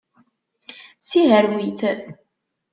Sihrew-it.